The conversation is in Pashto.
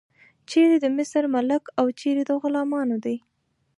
چیرې د مصر ملک او چیرې د غلامانو دی.